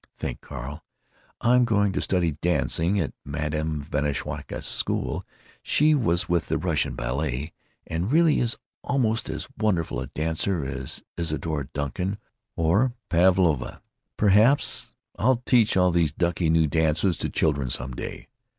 Think, Carl, I'm going to study dancing at Madame Vashkowska's school—she was with the Russian ballet & really is almost as wonderful a dancer as Isadora Duncan or Pavlova. Perhaps I'll teach all these ducky new dances to children some day.